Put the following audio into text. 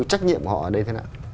trách nhiệm của họ ở đây thế nào